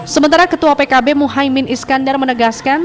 sementara ketua pkb muhaymin iskandar menegaskan